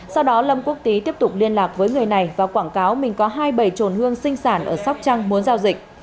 sau đó lâm quốc tý tiếp tục liên lạc với người này và quảng cáo mình có hai bầy trồn hương sinh sản ở sóc trăng muốn giao dịch